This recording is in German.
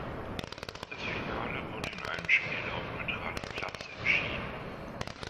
Das Finale wurde in einem Spiel auf neutralem Platz entschieden.